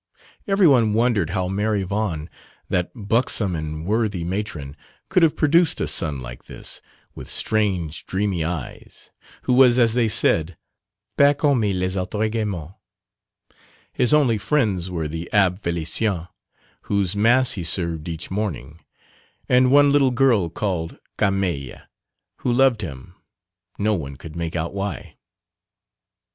Everyone wondered how Mère Yvonne, that buxom and worthy matron, could have produced a son like this, with strange dreamy eyes, who was as they said "pas comme les autres gamins." His only friends were the Abbé Félicien whose Mass he served each morning, and one little girl called Carmeille, who loved him, no one could make out why.